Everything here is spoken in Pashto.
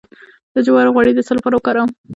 د جوارو غوړي د څه لپاره وکاروم؟